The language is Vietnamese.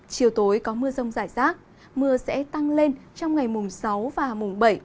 chiều tối có mưa rông rải rác mưa sẽ tăng lên trong ngày mùng sáu và mùng bảy